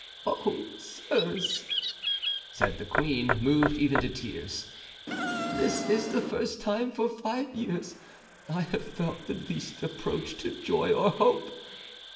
"Oh, sirs," said the queen, moved even to tears, "this is the first time for five years I have felt the least approach to joy or hope.